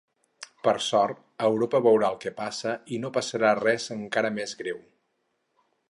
Per sort, Europa veurà el que passa i no passarà res encara més greu.